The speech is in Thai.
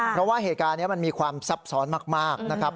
เพราะว่าเหตุการณ์นี้มันมีความซับซ้อนมากนะครับ